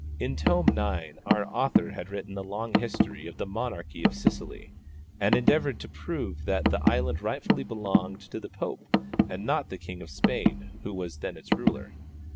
In Tome IX. our author had written a long history of the monarchy of Sicily, and endeavoured to prove that the island rightfully belonged to the Pope, and not to the King of Spain, who was then its ruler.